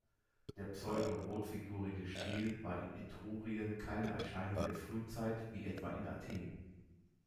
Der pseudo-rotfigurige Stil war in Etrurien keine Erscheinung der Frühzeit, wie etwa in Athen.